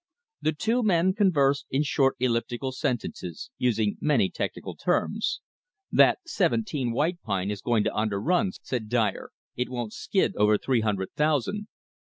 The two men conversed in short elliptical sentences, using many technical terms. "That 'seventeen' white pine is going to underrun," said Dyer. "It won't skid over three hundred thousand."